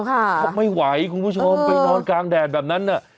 เขาไม่ไหวคุณผู้ชมไปนอนกลางแดดแบบนั้นน่ะ